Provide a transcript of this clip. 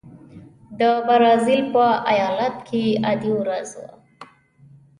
د برازیل په ایالت کې عادي ورځ وه.